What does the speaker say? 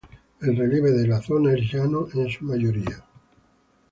El relieve de la zona es llano en su mayoría.